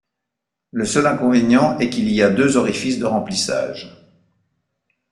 Le seul inconvénient est qu'il y a deux orifices de remplissage.